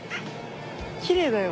きれいだよ。